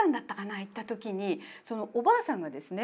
行った時におばあさんがですね